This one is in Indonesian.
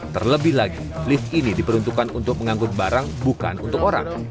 terlebih lagi lift ini diperuntukkan untuk mengangkut barang bukan untuk orang